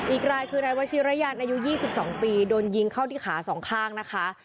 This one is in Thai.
อีกรายคือนายวชิระยันอายุ๒๒ปีโดนยิงเข้าที่ขาสองข้างนะคะ